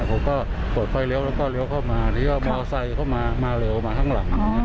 ผมก็เปิดไฟเลี้ยวแล้วก็เลี้ยวเข้ามาเลี้ยวมอเตอร์ไซค์เข้ามามาเร็วมาข้างหลัง